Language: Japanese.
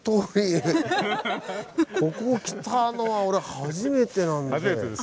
ここ来たのは俺初めてなので。